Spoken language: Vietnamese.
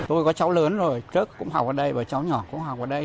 tôi có cháu lớn rồi trước cũng học ở đây và cháu nhỏ cũng học ở đây